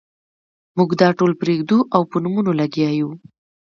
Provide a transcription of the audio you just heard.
موږ دا ټول پرېږدو او په نومونو لګیا یو.